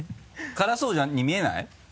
辛そうに見えない？